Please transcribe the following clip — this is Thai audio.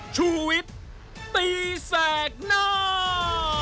ชูวิทย์ตีแสกหน้า